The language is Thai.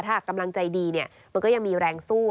ถ้ากำลังใจดีเนี่ยมันก็ยังมีแรงสู้